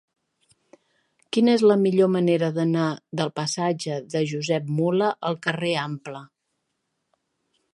Quina és la millor manera d'anar del passatge de Josep Mula al carrer Ample?